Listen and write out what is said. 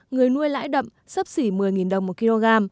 người nuôi lãi đậm sấp xỉ một mươi đồng một kg